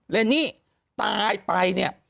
เรนนี่ตายไป